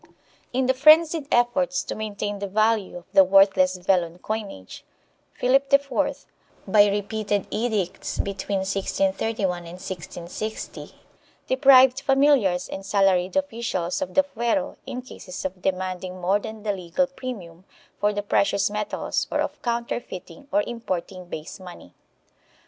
2 In the frenzied efforts to maintain the value of the worthless vellon coinage, Philip IV, by repeated edicts between 1631 and 1660, deprived familiars and salaried officials of the fuero in cases of demanding more than the legal premium for the precious metals or of counterfeiting or importing base money.